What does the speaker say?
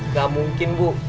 gak mungkin bu